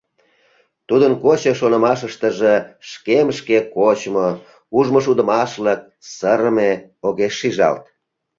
Тудын кочо шомакыштыже шкем шке кочмо, ужмышудымашлык, сырыме огеш шижалт.